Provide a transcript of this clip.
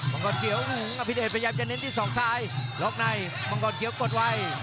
มังกรเขียวอภิเดชพยายามจะเน้นที่ศอกซ้ายล็อกในมังกรเขียวกดไว้